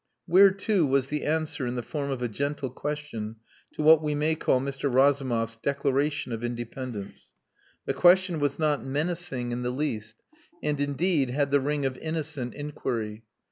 "Where to?" was the answer in the form of a gentle question to what we may call Mr. Razumov's declaration of independence. The question was not menacing in the least and, indeed, had the ring of innocent inquiry.